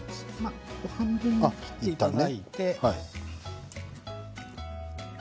半分に切っていただいて。